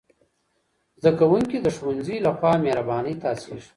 زدهکوونکي د ښوونځي له خوا مهربانۍ ته هڅېږي.